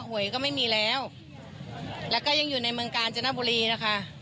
หวยก็ไม่มีแล้วแล้วก็ยังอยู่ในเมืองกาญจนบุรีนะคะ